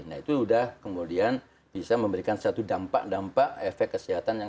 nah itu sudah kemudian bisa memberikan satu dampak dampak efek kesehatan